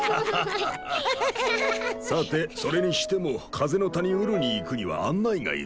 さてそれにしても風の谷ウルに行くには案内が要るなあ。